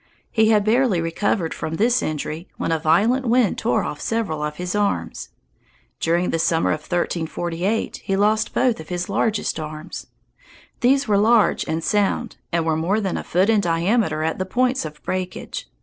He had barely recovered from this injury when a violent wind tore off several of his arms. During the summer of 1348 he lost two of his largest arms. These were large and sound, and were more than a foot in diameter at the points of breakage.